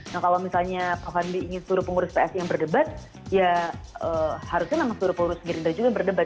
kalau misalnya pak fadli ingin seluruh pengurus psi yang berdebat ya harusnya sama seluruh pengurus diri dia juga yang berdebat